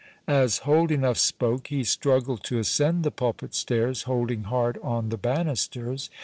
As Holdenough spoke, he struggled to ascend the pulpit stairs, holding hard on the banisters.